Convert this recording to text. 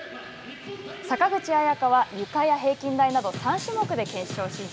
坂口彩夏はゆかや平均台など３種目で決勝進出。